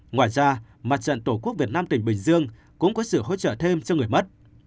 ngoài ra mặt trận tổ quốc việt nam tỉnh bình dương cũng có sự hỗ trợ thêm cho người mất